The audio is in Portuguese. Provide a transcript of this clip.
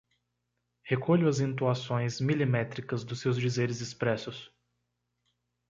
recolho as entoações milimétricas dos seus dizeres expressos